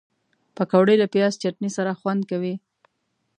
پکورې له پیاز چټني سره خوند کوي